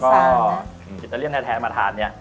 ก็อิตาเลียนแท้มาทานเนี่ย